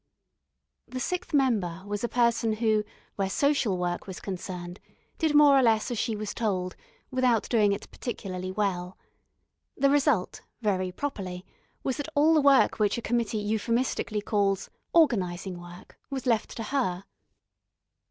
The sixth member was a person who, where Social Work was concerned, did more or less as she was told, without doing it particularly well. The result, very properly, was that all the work which a committee euphemistically calls "organising work" was left to her.